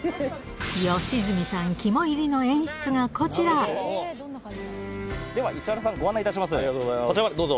良純さん肝煎りの演出がこちでは石原さん、ご案内いたしありがとうございます。